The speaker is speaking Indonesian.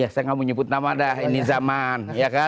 saya nggak mau nyebut nama dah ini zaman